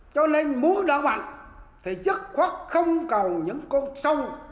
cho nên muốn đỡ mạnh thì chất khuất không cần những con sông